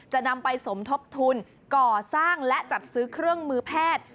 จะนำไปสมทบทุนก่อสร้างและจัดซื้อเครื่องมือแพทย์